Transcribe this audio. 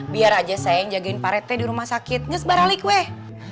biar aja saya yang jagain pak rt di rumah sakit nges baralik weh